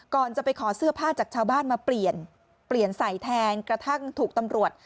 ก่อนจะไปขอเสื้อผ้าจากชาวบ้านมาเปลี่ยนเปลี่ยนใส่แทนกระทั่งถูกตำรวจ